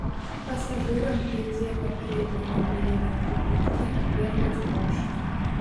Пасажырам, якія папярэдне набылі на яго квіткі, вернуць грошы.